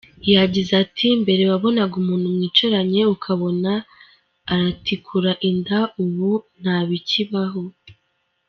Yagize ati “Mbere wabonaga umuntu mwicaranye ukabona aratikura inda, ubu ntabikibaho.